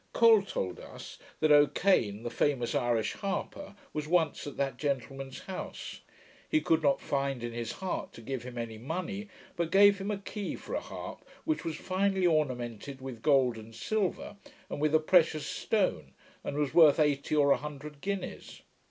Col told us, that O'Kane, the famous Irish harper, was once at that gentleman's house. He could not find in his heart to give him any money, but gave him a key for a harp, which was finely ornamented with gold and silver, and with a precious stone, and was worth eighty or a hundred guineas.